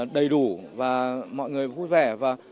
đầy đủ và mọi người vui vẻ và